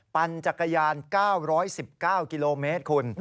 ปั่นจักรยาน๙๑๙กิโลเมตรคุณ